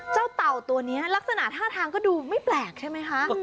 เต่าตัวนี้ลักษณะท่าทางก็ดูไม่แปลกใช่ไหมคะ